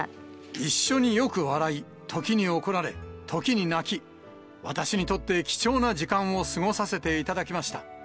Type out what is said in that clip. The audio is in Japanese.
一緒によく笑い、時に怒られ、時に泣き、私にとって貴重な時間を過ごさせていただきました。